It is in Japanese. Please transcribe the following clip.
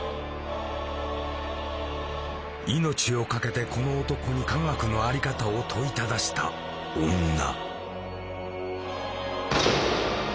命を懸けてこの男に科学の在り方を問いただした女。